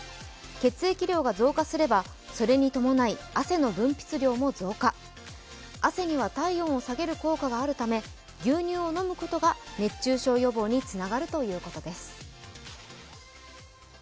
血液量が増加売ればそれに伴い汗の分泌量も増加、汗には体温を下げる効果があるため牛乳を飲むことが熱中症予防につながるということです。